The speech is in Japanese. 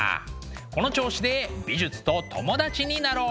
この調子で美術と友達になろう！